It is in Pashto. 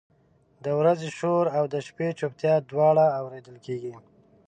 د ورځې شور او د شپې چپتیا دواړه اورېدل کېږي.